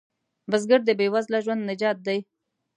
بزګر د بې وزله ژوند نجات دی